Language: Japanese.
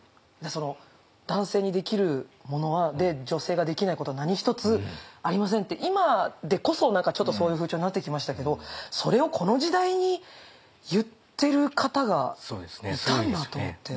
男性にできるもので女性ができないことは何一つありませんって今でこそちょっとそういう風潮になってきましたけどそれをこの時代に言ってる方がいたんだと思って。